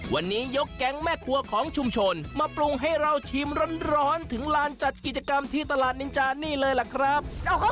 วันนี้ยกแก๊งแม่ครัวของชุมชนมาปรุงให้เราชิมร้อนถึงลานจัดกิจกรรมที่ตลาดนินจานี่เลยล่ะครับ